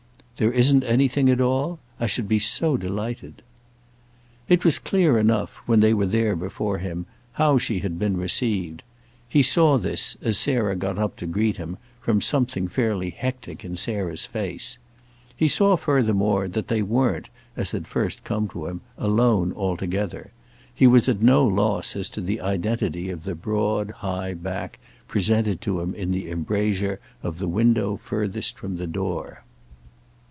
"There isn't anything at all—? I should be so delighted." It was clear enough, when they were there before him, how she had been received. He saw this, as Sarah got up to greet him, from something fairly hectic in Sarah's face. He saw furthermore that they weren't, as had first come to him, alone together; he was at no loss as to the identity of the broad high back presented to him in the embrasure of the window furthest from the door.